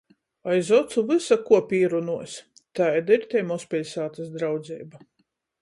Aiz ocu vysa kuo pīrunuos. Taida ir tei mozpiļsātys draudzeiba.